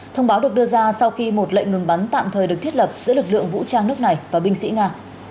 thông báo được đưa ra sau khi một lệnh ngừng bắn tạm thời được thiết lập giữa lực lượng vũ trang nước này và binh sĩ nga